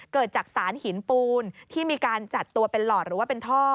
เกิดจากสารหินปูนที่มีการจัดตัวเป็นหลอดหรือว่าเป็นท่อ